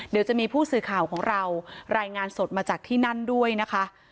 เดี๋ยวจะมีผู้สื่อข่าวของเรารายงานสดมาจากที่นั่นด้วยนะคะ